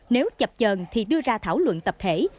nếu chập trờn thì đưa ra thảo luận tập thể